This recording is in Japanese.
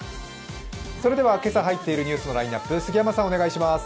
それでは今朝入っているニュースのラインナップ、お願いします。